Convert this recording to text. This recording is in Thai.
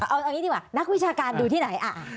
เอาอย่างนี้ดีกว่านักวิชาการดูที่ไหน